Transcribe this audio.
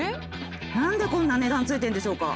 何でこんな値段付いてるんでしょうか？